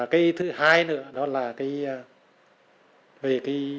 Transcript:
cái thứ hai nữa đó là cái